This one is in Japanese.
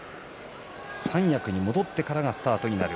三役に戻ってからがスタートになる